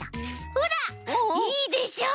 ほらいいでしょ？